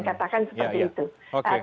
katakan seperti itu